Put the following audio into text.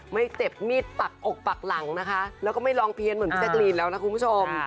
ไม่เจ็บมีดปักอกปักหลังนะคะแล้วก็ไม่ร้องเพี้ยนเหมือนพี่แจ๊กรีนแล้วนะคุณผู้ชม